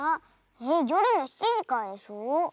えっよるの７じからでしょ？